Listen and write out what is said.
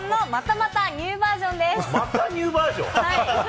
またニューバージョン？